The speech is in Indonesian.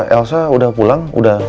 elsa udah pulang